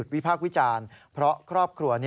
พากษ์วิจารณ์เพราะครอบครัว